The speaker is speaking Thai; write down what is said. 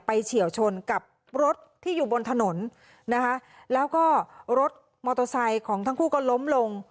เฉียวชนกับรถที่อยู่บนถนนนะคะแล้วก็รถมอเตอร์ไซค์ของทั้งคู่ก็ล้มลง